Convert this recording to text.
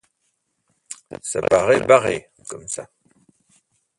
Ça paraît barré, comme ça…